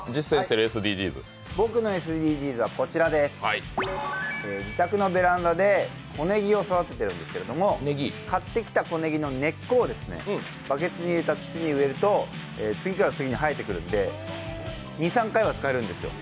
僕のＳＤＧｓは自宅のベランダで小ねぎを育ててるんですけど買ってきた小ねぎの根っこをバケツに入れた土に植えると次から次に生えてくるんで２３回は使えるんですよ。